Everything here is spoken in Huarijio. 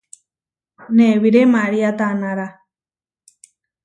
Newíre María tanára.